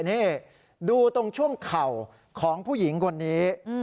นี่ดูตรงช่วงเข่าของผู้หญิงคนนี้